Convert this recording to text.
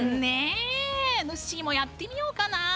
ぬっしーもやってみようかな。